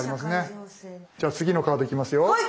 じゃあ次のカードいきますよ。